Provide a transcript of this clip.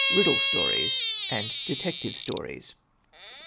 Riddle stories, and Detective stories.